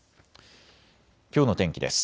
きょうの天気です。